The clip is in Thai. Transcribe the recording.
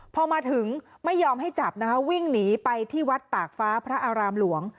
พอมาถึงไม่ยอมให้จับนะคะวิ่งหนีไปที่วัดตากฟ้าพระอารามหลวง